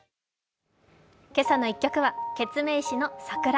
「けさの１曲」はケツメイシの「さくら」。